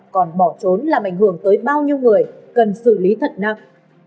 còn bỏ trốn làm ảnh hưởng tới bao nhiêu người cần xử lý thật nặng